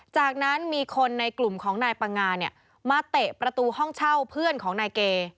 จากนั้นมีคนในกลุ่มของนายปังงาเนี่ยมาเตะประตูห้องเช่าเพื่อนของนายเก